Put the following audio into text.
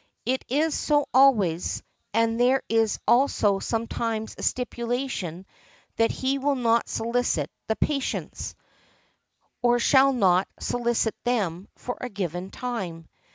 It is so always, and there is also sometimes a stipulation that he will not solicit the patients, or shall not solicit them for a given time.